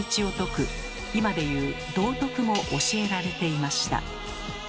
今で言う「道徳」も教えられていました。